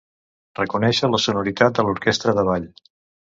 Reconèixer la sonoritat de l'orquestra de ball.